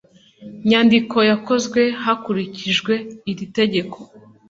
nyandiko yakozwe hakurikijwe iri tegeko